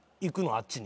あっちに。